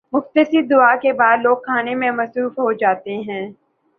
مختصر دعا کے بعد لوگ کھانے میں مصروف ہو جاتے ہیں۔